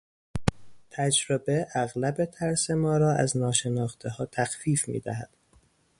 تجربه اغلب ترس ما را از ناشناختهها تخفیف میدهد.